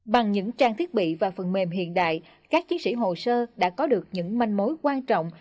bằng những trang thiết bị và phần mềm hiện đại các chiến sĩ hồ sơ đã có được những manh mối quan trọng